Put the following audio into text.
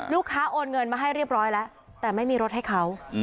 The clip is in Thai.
โอนเงินมาให้เรียบร้อยแล้วแต่ไม่มีรถให้เขา